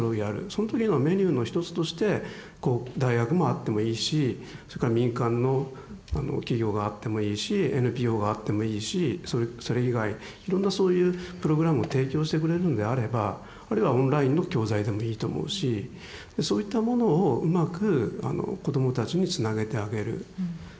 その時のメニューの一つとしてこう大学もあってもいいしそれから民間の企業があってもいいしＮＰＯがあってもいいしそれ以外いろんなそういうプログラムを提供してくれるんであればあるいはオンラインの教材でもいいと思うしそういったものをうまく子どもたちにつなげてあげる。